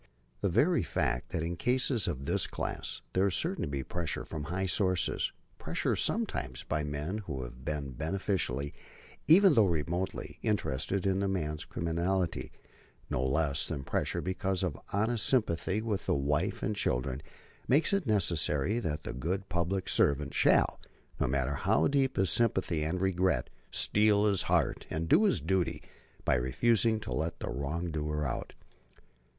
The very fact that in cases of this class there is certain to be pressure from high sources, pressure sometimes by men who have been beneficially, even though remotely, interested in the man's criminality, no less than pressure because of honest sympathy with the wife and children, makes it necessary that the good public servant shall, no matter how deep his sympathy and regret, steel his heart and do his duty by refusing to let the wrong doer out.